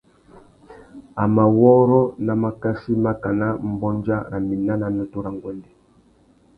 A mà wôrrô nà makachí makana mbôndia râ mina nà nutu râ nguêndê.